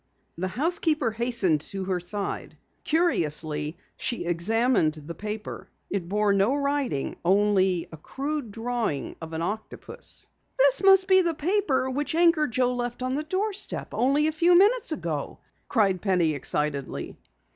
The housekeeper hastened to her side. Curiously, she examined the paper. It bore no writing, only a crude drawing of an octopus. "This must be the paper which Anchor Joe left on the doorstep only a few minutes ago!" cried Penny excitedly.